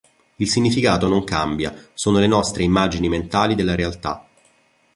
Il significato non cambia: sono le nostre immagini mentali della realtà.